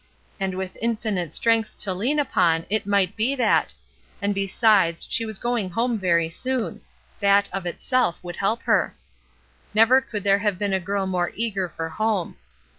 and with infinite strength to lean upon, it might be that DISCIPLINE 239 and besides, she was going home very soon: that, of itself, would help her. Never could there have been a girl more eager for home.